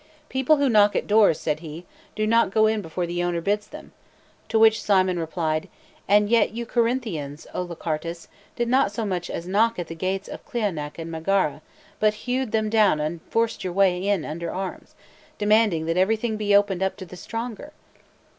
" People who knock at doors," said he, "do not go in before the owner bids them"; to which Cimon replied, " And yet you Corinthians, O Lachartus, did not so much as knock at the gates of Cleonae and Megara, but hewed them down and forced your way in under arms, demanding that everything be opened up tothe stronger."